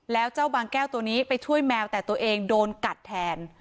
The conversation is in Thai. แล้วเจ้าบางแก้วตัวนี้ไปช่วยแมวแต่ตัวเองโดนกัดแทน